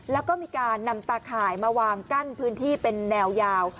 แล้วก็มีการนำตาข่ายมาวางกั้นพื้นที่เป็นแนวยาว